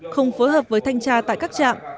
không phối hợp với thanh tra tại các trạm